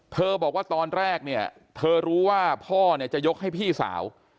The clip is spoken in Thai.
เธอบอกว่าตอนแรกเธอรู้ว่าพ่อจะยกให้พี่สาว